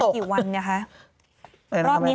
ก็วันนู้นเนี่ย